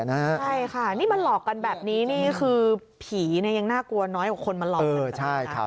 ใช่ค่ะนี่มาหลอกกันแบบนี้นี่คือผียังน่ากลัวน้อยกว่าคนมาหลอก